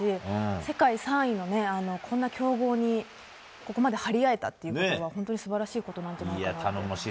世界３位の強豪にここまで張り合えたことは本当に素晴らしいことなんじゃないかなって。